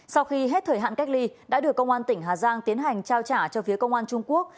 sau khi hết thời hạn cách ly đã được công an tỉnh hà giang tiến hành trao trả cho phía công an trung quốc